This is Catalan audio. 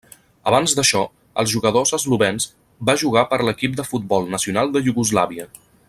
Abans d'això, els jugadors eslovens va jugar per l'equip de futbol nacional de Iugoslàvia.